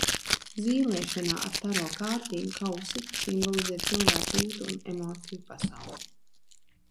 Zīlēšanā ar taro kārtīm kausi simbolizē cilvēka jūtu un emociju pasauli.